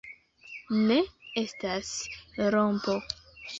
Ne, estas rompo.